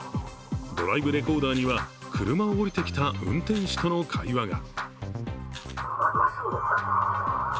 ドライブレコーダーには車から降りてきた運転手との会話が。